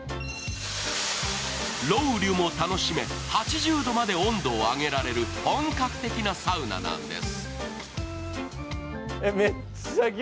ロウリュウも楽しめ、８０度まで温度を上げられる本格的なサウナなんです。